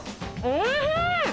おいしい！